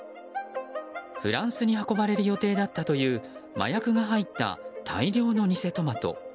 フランスに運ばれる予定だったという麻薬が入った大量の偽トマト。